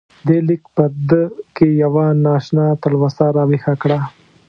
دې لیک په ده کې یوه نا اشنا تلوسه راویښه کړه.